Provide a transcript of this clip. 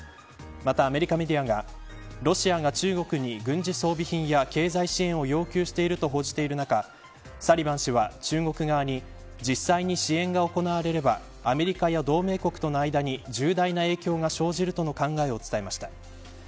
またアメリカメディアがロシアが中国に軍事装備品や経済支援を要求していると報じている中サリバン氏は中国側に実際に支援が行われればアメリカや同盟国との間に重大な影響が生じるとの考えを伝えました。